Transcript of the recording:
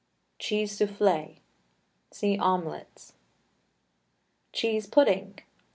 CHEESE SOUFFLE. (See OMELETS.) CHEESE PUDDING.